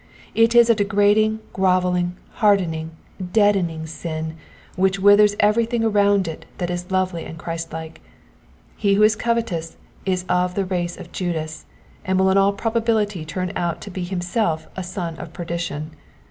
It is a degrading, grovel ling, hardening, deadening sin, which withers everything around it that is lovely and Christlike. He who is covetous is of the race of Judas, and will in all probability turn out to be himself a son of perdition.